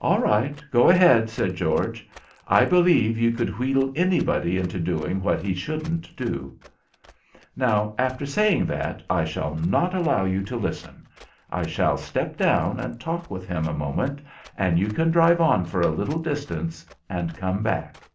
"All right. Go ahead," said George. "I believe you could wheedle anybody into doing what he shouldn't do." "Now, after saying that, I shall not allow you to listen. I shall step down and talk with him a moment and you can drive on for a little distance, and come back."